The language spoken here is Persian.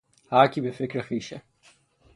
هر کی به فکر خویشه